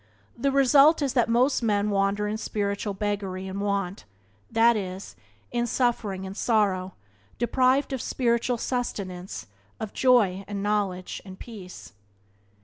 The result is that most men wander in spiritual beggary and want — that is, in suffering and sorrow — deprived of spiritual sustenance, of joy and knowledge and peace.